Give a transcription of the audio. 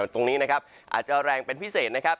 ตรงนี้นะครับอาจจะแรงเป็นพิเศษนะครับ